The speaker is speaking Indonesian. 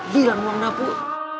bilang mau ke dapur